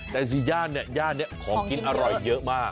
แต่สี่ย่านเนี่ยย่านนี้ของกินอร่อยเยอะมาก